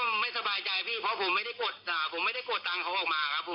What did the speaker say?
ผมก็ไม่สบายใจพี่เพราะผมไม่ได้กดตังเขาออกมาครับ